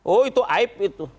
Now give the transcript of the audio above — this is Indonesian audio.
oh itu aib